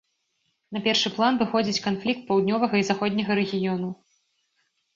На першы план выходзяць канфлікт паўднёвага і заходняга рэгіёнаў.